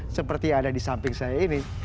seperti yang ada di samping saya ini